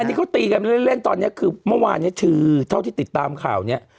อันนี้เขาตีกันเล่นตอนนี้คือเมื่อวานเนี่ยคือเท่าที่ติดตามข่าวเนี่ย